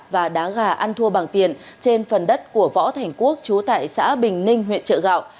và đá gà ăn thua bằng tiền trên phần đất của võ thành quốc chú tại xã bình ninh huyện trợ gạo